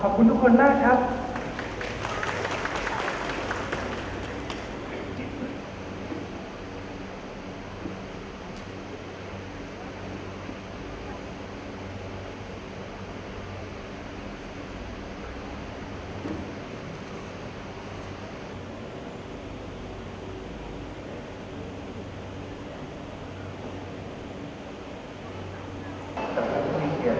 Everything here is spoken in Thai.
ขอบคุณทุกคนมากครับที่รักโจมตีที่ทุกคนรัก